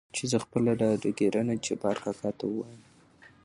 چې زه خپله ډاډګرنه جبار کاکا ته ووايم .